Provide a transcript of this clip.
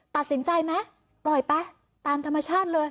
ตัดสินใจไหมปล่อยไปตามธรรมชาติเลย